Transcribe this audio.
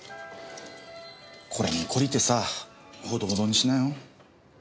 これにこりてさぁほどほどにしなよ。